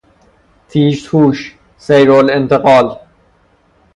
تیزهوش، سریعالانتقال